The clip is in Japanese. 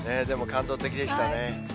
でも、感動的でしたね。